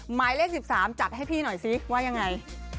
หมายเลข๑๓จัดให้พี่หน่อยซิว่ายังไง